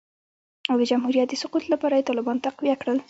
او د جمهوریت د سقوط لپاره یې طالبان تقویه کړل